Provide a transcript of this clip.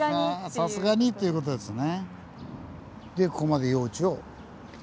さすがにっていうことですね。